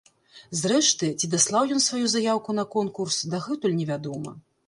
Зрэшты, ці даслаў ён сваю заяўку на конкурс, дагэтуль невядома.